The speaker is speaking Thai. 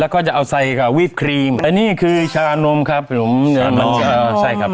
แล้วก็จะเอาใส่กับวิปครีมอันนี้คือชานมครับผมใช่ครับ